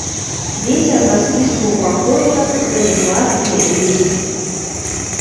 Вецер насвістваў па комінах заліхвацкія песні.